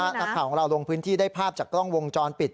นักข่าวของเราลงพื้นที่ได้ภาพจากกล้องวงจรปิด